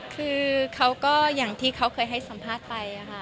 คือเขาก็อย่างที่เขาเคยให้สัมภาษณ์ไปค่ะ